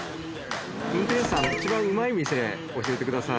運転手さん一番うまい店教えてください。